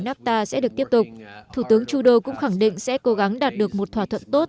nafta sẽ được tiếp tục thủ tướng trudeau cũng khẳng định sẽ cố gắng đạt được một thỏa thuận tốt